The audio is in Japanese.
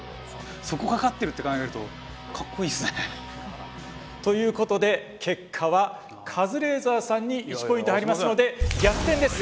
そこかかってるって考えるとかっこいいっすね。ということで結果はカズレーザーさんに１ポイント入りますので逆転です！